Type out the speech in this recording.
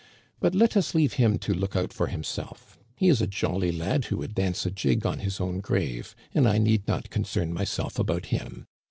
But let us leave him to look out for himself. He is a jolly lad who would dance a jig on his own grave, and I need not concern myself about him.